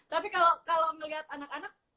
tapi kalau melihat anak anak